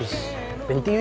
ini penting abis